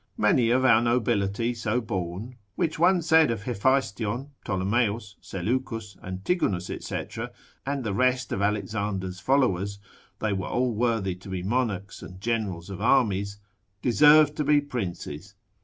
Many of our nobility so born (which one said of Hephaestion, Ptolemeus, Seleucus, Antigonus, &c., and the rest of Alexander's followers, they were all worthy to be monarchs and generals of armies) deserve to be princes.